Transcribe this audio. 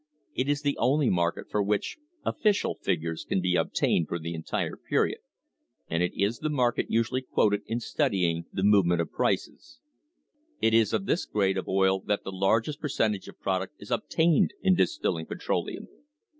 It is the only market for which "official" figures can be ob tained for the entire period, and it is the market usually quoted in studying the movement of prices. It is of this grade of oil that the largest percentage of product is obtained in distilling petroleum.